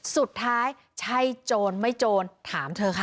สุดท้ายใช่โจรไม่โจรถามเธอค่ะ